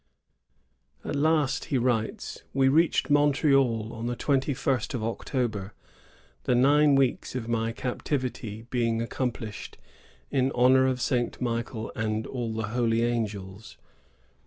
At last," he writes, "we reached Montreal on the twenty first of October, the nine weeks of my cap tivity being accomplished, in honor of Saint Michael and all the holy angels.